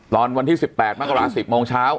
วันที่๑๘มกรา๑๐โมงเช้า